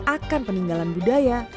akan peninggalan budaya